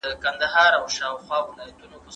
حقیقت تل د پردې تر شا پټ پاتې کېږي.